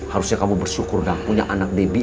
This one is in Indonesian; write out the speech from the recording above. harusnya kamu bersyukur dah punya anak debbie